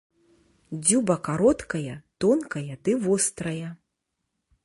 Дзюба кароткая, тонкая ды вострая.